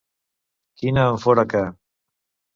Quina en fora que.